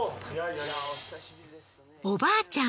おばあちゃん